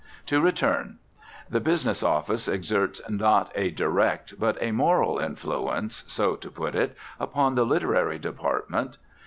To return. The business office exerts not a direct but a moral influence, so to put it, upon the literary department.